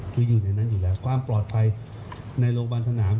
คืออยู่ในนั้นอยู่แล้วความปลอดภัยในโรงพยาบาลสนาม